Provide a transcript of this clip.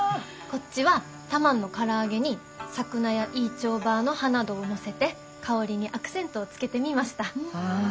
こっちはタマンのから揚げにサクナやイーチョーバーの葉などをのせて香りにアクセントをつけてみました。